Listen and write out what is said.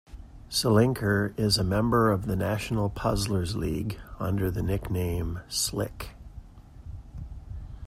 Selinker is a member of the National Puzzlers League under the nickname "Slik".